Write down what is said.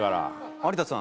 有田さん